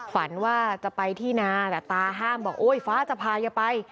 ฝันว่าจะไปที่นาแต่ตาห้ามบอกโอ๊ยฟ้าจะพาอย่าไป